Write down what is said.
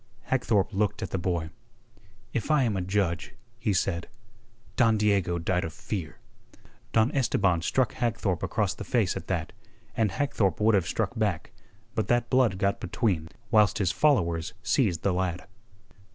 Hagthorpe looked at the boy. "If I am a judge," he said, "Don Diego died of fear." Don Esteban struck Hagthorpe across the face at that, and Hagthorpe would have struck back, but that Blood got between, whilst his followers seized the lad.